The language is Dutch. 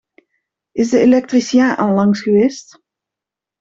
Is de elektricien al lang geweest?